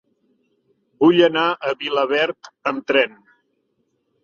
Vull anar a Vilaverd amb tren.